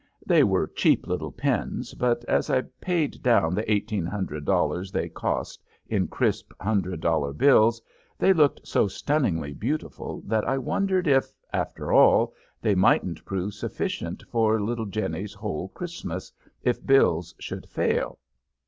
They were cheap little pins, but as I paid down the $1,800 they cost in crisp hundred dollar bills they looked so stunningly beautiful that I wondered if, after all, they mightn't prove sufficient for little Jenny's whole Christmas, if Bills should fail.